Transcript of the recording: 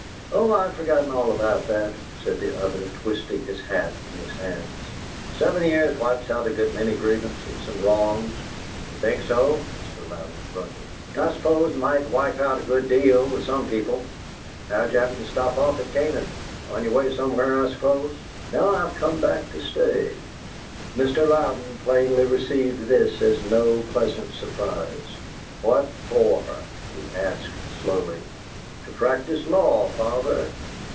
"Oh, I've forgotten all about that," said the other, twisting his hat in his hands. "Seven years wipes out a good many grievances and wrongs." "You think so?" Mr Louden grunted. "I suppose it might wipe out a good deal with some people. How'd you happen to stop off at Canaan? On your way somewhere, I suppose." "No, I've come back to stay." Mr. Louden plainly received this as no pleasant surprise. "What for?" he asked, slowly. "To practise law, father."